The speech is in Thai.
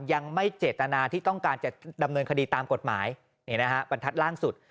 ยังไม่เจตนาที่ต้องการจะดำเนินคดีตามกฎหมายนี่นะฮะบรรทัศน์ล่าสุด